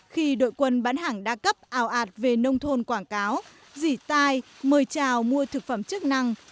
khi đội quân bán hàng đa cấp ảo ạt về nông thôn quảng cáo rỉ tai mời chào mua thực phẩm chức năng